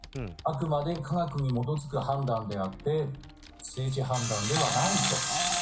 あくまで科学に基づく判断であって政治判断ではないと。